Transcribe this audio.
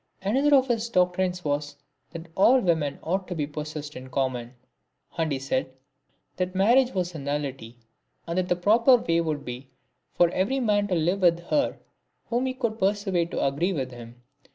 An other of his doctrines was that all women ought to be possessed in common ; and he said that marriage was a nullity, and that the proper way would be for every man to live with her whom he could persuade to agree with him.